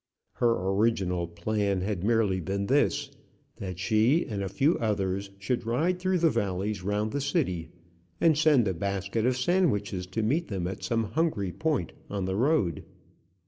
Her original plan had merely been this: that she and a few others should ride through the valleys round the city, and send a basket of sandwiches to meet them at some hungry point on the road.